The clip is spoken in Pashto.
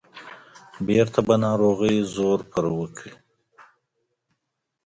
بیرته به ناروغۍ زور پرې وکړ.